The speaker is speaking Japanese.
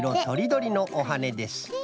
とりどりのおはねです。